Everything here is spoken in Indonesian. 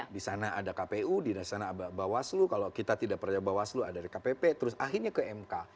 di sana ada kpu di sana ada bawaslu kalau kita tidak percaya bawaslu ada dkpp terus akhirnya ke mk